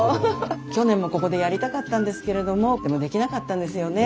去年もここでやりたかったんですけれどもでもできなかったんですよね